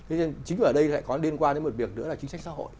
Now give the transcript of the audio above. thế nhưng chính ở đây lại có liên quan đến một việc nữa là chính sách xã hội